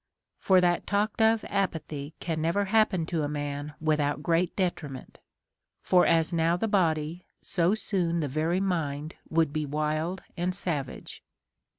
For that talked of apathy can never happen to a man without great detri ment ; for as now the body, so soon the very mind would be λγ'ύά and savage.